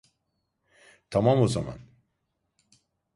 Tamam o zaman.